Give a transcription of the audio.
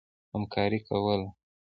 همکاري کوله.